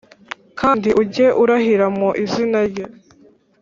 kandi ujye urahira mu izina rye.